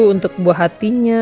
untuk buah hatinya